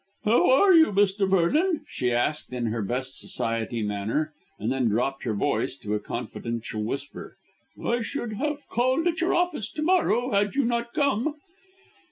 "How are you, Mr. Vernon?" she asked in her best society manner, and then dropped her voice to a confidential whisper, "I should have called at your office to morrow had you not come."